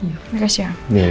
terima kasih ya